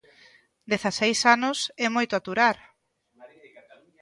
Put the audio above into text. Dezaseis anos é moito aturar.